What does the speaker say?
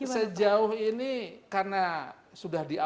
sejauh ini karena sudah diatur